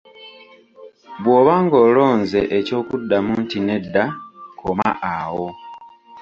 Bw’oba ng’olonze ekyokuddamu nti nedda, koma awo.